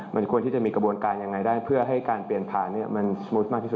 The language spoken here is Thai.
มันควรที่จะมีกระบวนการยังไงได้เพื่อให้การเปลี่ยนผ่านมันสมูทมากที่สุด